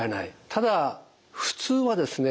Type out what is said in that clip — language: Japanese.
ただ普通はですね